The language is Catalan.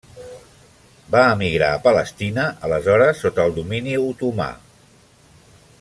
Va emigrar a Palestina, aleshores sota el domini otomà.